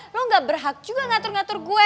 lo gak berhak juga ngatur ngatur gue